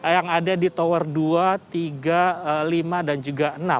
yang ada di tower dua tiga lima dan juga enam